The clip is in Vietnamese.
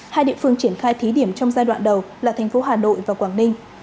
hai địa phương triển khai thí điểm trong giai đoạn đầu là thành phố hà nội và quảng ninh